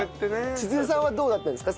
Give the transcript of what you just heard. ちづるさんはどうだったんですか？